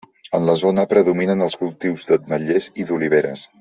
En la zona predominen els cultius d'ametllers i d'oliveres.